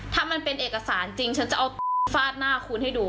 ถ้ามันเป็นเอกสารจริงฉันจะเอาฟาดหน้าคุณให้ดู